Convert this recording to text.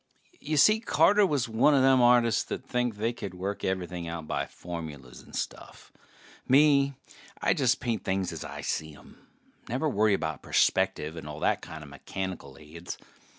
Y'see, Carter was one a them artists that think they can work everything out by formulas and stuff. Me, I just paint things as I see 'em. Never worry about perspective and all that kinda mechanical aids.